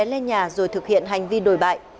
bị cáo đã bế lên nhà rồi thực hiện hành vi đổi bại